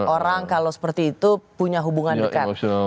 orang kalau seperti itu punya hubungan dekat